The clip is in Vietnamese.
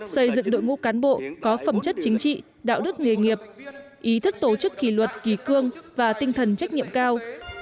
xây dựng đội ngũ cán bộ có phẩm chất chính trị đạo đức nghề nghiệp ý thức tổ chức kỳ luật kỳ cương và tinh thần trách nhiệm cao